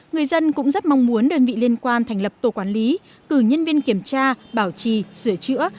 người dân cũng rất mong muốn đơn vị liên quan thành lập tổ quản lý cử nhân viên kiểm tra bảo trì sửa chữa